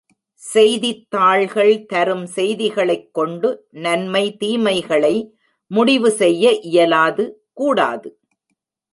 செய்தித் தாள்கள் தரும் செய்திக்ளைக் கொண்டு நன்மை, தீமைகளை முடிவு செய்ய இயலாது கூடாது.